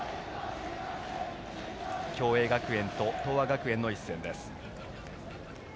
共栄学園と東亜学園の一戦です。